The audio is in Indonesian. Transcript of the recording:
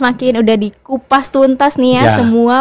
makin udah di kupas tuntas nih ya semua